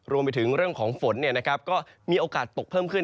รวมไปถึงเรื่องของฝนก็มีโอกาสตกเพิ่มขึ้น